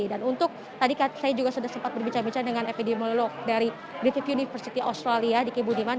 dan untuk tadi saya juga sudah sempat berbicara bicara dengan epidemiolog dari rifi university australia di kibu jemaat